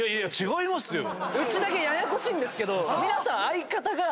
うちだけややこしいんですけど皆さん。